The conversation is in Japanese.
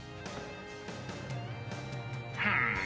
ふん。